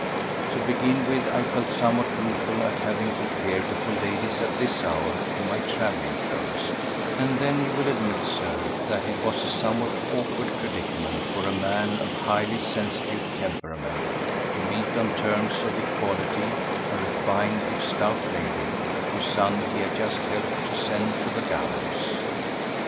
To begin with I felt somewhat rueful at having to appear before ladies at this hour in my travelling clothes, and then, you will admit, Sir, that it was a somewhat awkward predicament for a man of highly sensitive temperament to meet on terms of equality a refined if stout lady whose son he had just helped to send to the gallows.